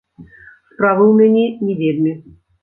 Справы ў мяне не вельмі.